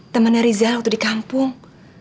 temennya rizal waktu di kampung